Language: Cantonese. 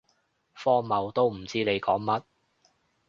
荒謬，都唔知你講乜